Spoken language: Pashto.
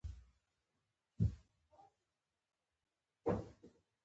د بیل نا مساوات د پټو متغیرو تیوري رد کړه.